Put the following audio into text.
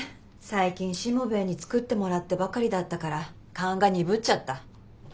最近しもべえに作ってもらってばかりだったから勘が鈍っちゃった。